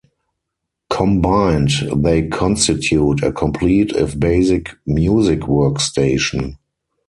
Combined, they constitute a complete, if basic, music workstation.